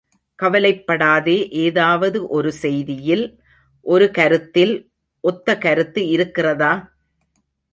கவலைப்படாதே ஏதாவது ஒரு செய்தியில் ஒரு கருத்தில் ஒத்தகருத்து இருக்கிறதா?